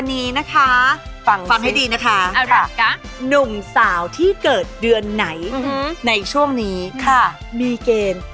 ในช่วงนี้หมาดูคือมีเกณฑ์